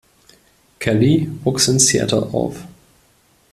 Kelly wuchs in Seattle auf.